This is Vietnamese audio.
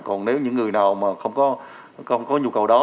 còn nếu những người nào mà không có nhu cầu đó